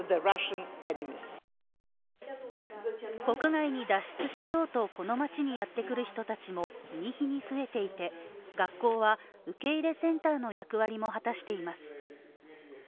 国外に脱出しようとこの街にやってくる人も日に日に増えていて学校は受け入れセンターの役割も果たしています。